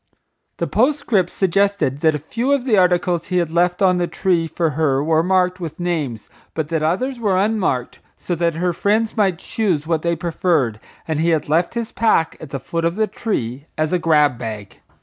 The postscript suggested that a few of the articles he had left on the tree for her were marked with names, but that others were unmarked, so that her friends might choose what they preferred, and he had left his pack at the foot of the tree as a grab bag.